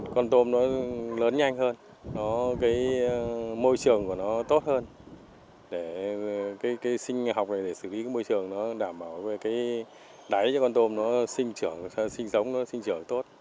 con tôm lớn nhanh hơn môi trường tốt hơn sinh học này để sử dụng môi trường đảm bảo đáy cho con tôm sinh trưởng tốt